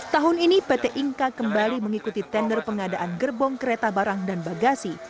kini pt ingka kembali mengikuti tender pengadaan gerbong kereta barang dan bagasi